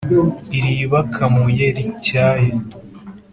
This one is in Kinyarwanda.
iribakamuye rityaye